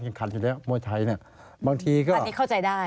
มวยไทยเนี่ยบางทีก็อันนี้เข้าใจได้